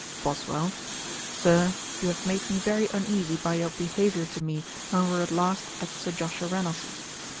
BOSWELL. 'Sir, you have made me very uneasy by your behaviour to me when we were last at Sir Joshua Reynolds's.